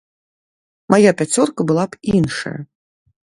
Мая пяцёрка была б іншая.